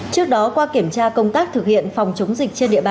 trước đó qua kiểm tra công tác thực hiện phòng chống dịch